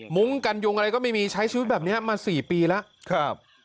มุ้งกันยุงอะไรก็ไม่มีใช้ชีวิตแบบนี้มา๔ปีแล้วครับ